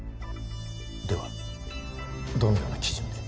ではどのような基準で？